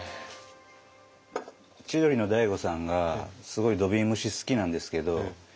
千鳥の大悟さんがすごい土瓶蒸し好きなんですけど。